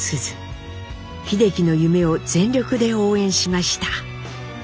秀樹の夢を全力で応援しました。